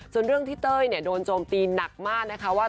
จนที่เรื่องเต้ยโดนโจมตีหนักมากว่า